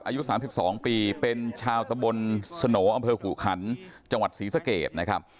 อายุ๓๒ปีเป็นชาวตะบนสโนอำเภอขู่ขันจังหวัดศรีสะเกดนะครับ